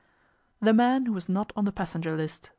The Man Who was Not on the Passenger List.